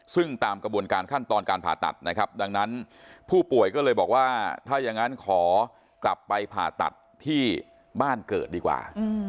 ซึ่งตามกระบวนการขั้นตอนการผ่าตัดนะครับดังนั้นผู้ป่วยก็เลยบอกว่าถ้าอย่างนั้นขอกลับไปผ่าตัดที่บ้านเกิดดีกว่า